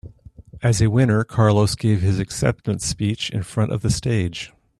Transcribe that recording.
As a winner, Carlos give his acceptance speech in front of the stage.